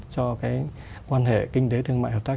cho cái quan hệ kinh tế thương mại hợp tác